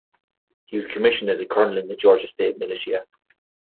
He was commissioned as a colonel in the Georgia state militia.